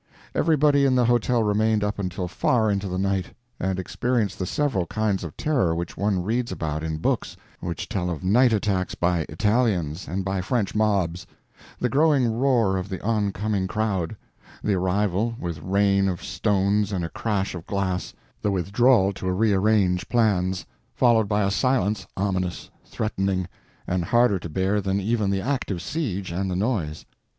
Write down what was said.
Everybody in the hotel remained up until far into the night, and experienced the several kinds of terror which one reads about in books which tell of night attacks by Italians and by French mobs: the growing roar of the oncoming crowd; the arrival, with rain of stones and a crash of glass; the withdrawal to rearrange plans—followed by a silence ominous, threatening, and harder to bear than even the active siege and the noise.